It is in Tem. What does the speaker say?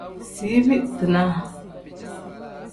Ziibi-dinaa.